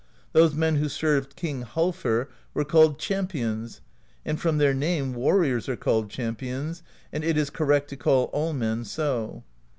Those men who served King Halfr were called Champions/ and from their name warriors are called champions; and it is correct to call all men so.